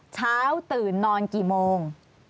เช้าตื่นนอนกี่โมง